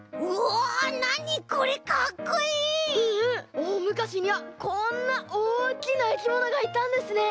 おおむかしにはこんなおおきないきものがいたんですね！